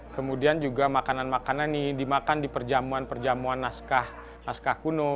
kemudian juga makanan makanan yang dimakan di perjamuan perjamuan naskah naskah kuno